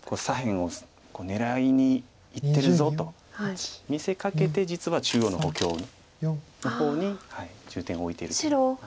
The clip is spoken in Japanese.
「左辺を狙いにいってるぞ」と見せかけて実は中央の補強の方に重点を置いているという。